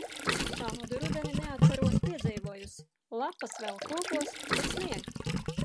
Šādu rudeni neatceros piedzīvojusi - lapas vēl kokos, bet snieg.